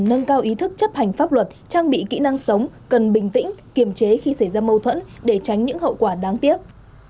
nâng cao ý thức chấp hành pháp luật trang bị kỹ năng sống cần bình tĩnh kiềm chế khi xảy ra mâu thuẫn để tránh những hậu quả đáng tiếc